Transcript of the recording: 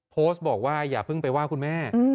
โพสต์บอกว่าอย่าเพิ่งไปว่าคุณแม่